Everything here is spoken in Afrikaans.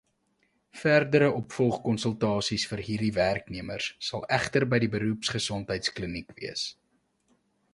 Verdere opvolgkonsultasies vir hierdie werknemers sal egter by die Beroepsgesondheidskliniek wees.